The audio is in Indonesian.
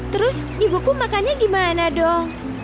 terus ibuku makannya gimana dong